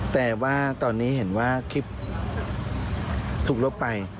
แต่ว่าตอนนี้เห็นว่าคลิปถูกลบไป